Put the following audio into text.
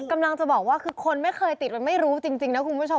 กำลังจะบอกว่าคือคนไม่เคยติดมันไม่รู้จริงนะคุณผู้ชม